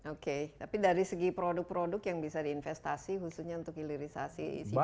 oke tapi dari segi produk produk yang bisa diinvestasi khususnya untuk ilirisasi cbo apa